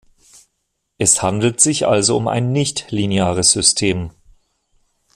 Es handelt sich also um ein nichtlineares System.